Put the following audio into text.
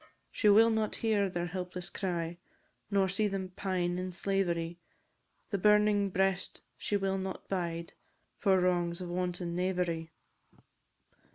She will not hear their helpless cry, Nor see them pine in slavery! The burning breast she will not bide, For wrongs of wanton knavery.